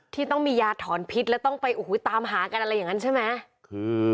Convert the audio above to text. ที่ต้องมียาถอนพิษแล้วต้องไปโอ้โหตามหากันอะไรอย่างนั้นใช่ไหม